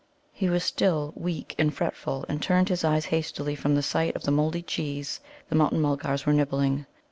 He was still weak and fretful, and turned his eyes hastily from sight of the mouldy cheese the Mountain mulgars were nibbling.